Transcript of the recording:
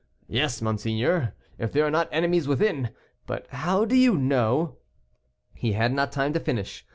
"Yes, monseigneur, if there are not enemies within; but how do you know " He had not time to finish.